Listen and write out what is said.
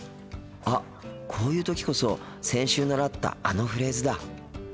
あこういう時こそ先週習ったあのフレーズだ！